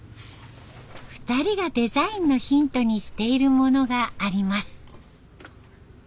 ２人がデザインのヒントにしているものがあります。